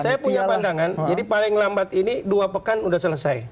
saya punya pandangan jadi paling lambat ini dua pekan sudah selesai